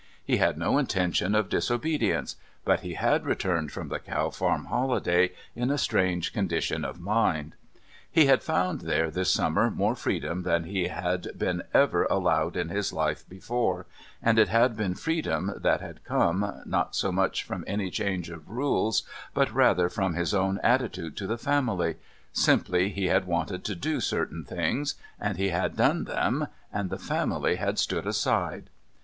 He had no intention of disobedience but he had returned from the Cow Farm holiday in a strange condition of mind. He had found there this summer more freedom than he had been ever allowed in his life before, and it had been freedom that had come, not so much from any change of rules, but rather from his own attitude to the family simply he had wanted to do certain things, and he had done them and the family had stood aside.